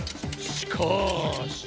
しかし。